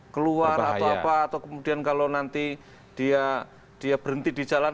keluar atau apa atau kemudian kalau nanti dia berhenti di jalan